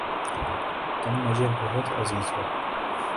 تم مجھے بہت عزیز ہو